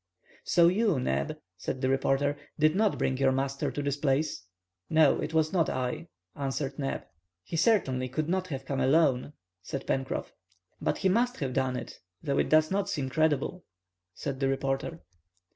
"So you, Neb," said the reporter, "did not bring your master to this place?" "No, it was not I," answered Neb. "He certainly could not have come alone," said Pencroff. "But he must have done it, though it does not seem credible," said the reporter.